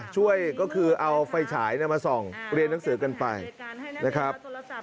ช่วยก็คือเอาไฟฉายมาส่องเรียนหนังสือกันไปนะครับ